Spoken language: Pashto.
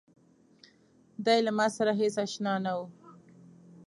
دی له ماسره هېڅ آشنا نه و.